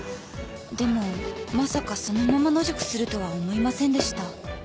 でもまさかそのまま野宿するとは思いませんでした。